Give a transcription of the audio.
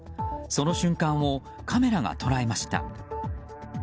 その瞬間をカメラが捉えました。